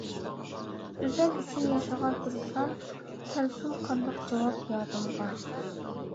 ئۆزۈم ئۈچۈن ياشىغان تۇرسام، كەلسۇن قانداق جاۋاب يادىمغا.